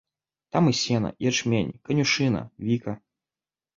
Там і сена, і ячмень, канюшына, віка.